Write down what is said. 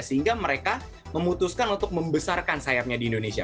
sehingga mereka memutuskan untuk membesarkan sayapnya di indonesia